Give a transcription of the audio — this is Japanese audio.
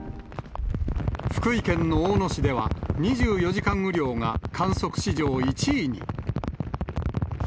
福井県の大野市では、２４時間雨量が観測史上１位に。